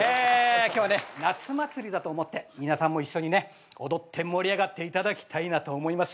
今日はね夏祭りだと思って皆さんも一緒にね踊って盛り上がっていただきたいなと思います。